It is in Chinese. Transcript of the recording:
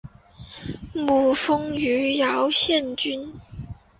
母封余姚县君。